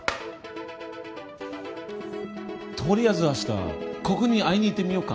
とりあえず明日ここに会いに行ってみようか。